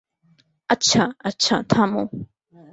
আচ্ছা, আচ্ছা, থামো।